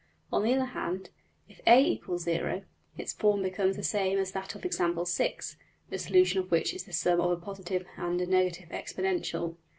On the other hand, if $a = 0$, its form becomes the same as that of Example~6, the solution of which is the sum of a positive and a negative exponential.